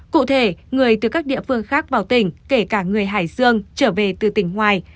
cụ thể người từ các địa phương khác vào tỉnh kể cả người hải dương trở về từ tỉnh ngoài